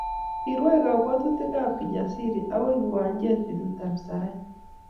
Kirwai kabwatutikab Kijasiri akoi kiwanjet betutap saet